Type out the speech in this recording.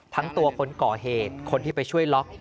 ทั้งตัวคนก่อเหตุคนที่ไปช่วยล็อก